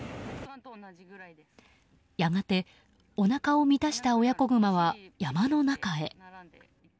やがて、おなかを満たした親子グマは山の中へ。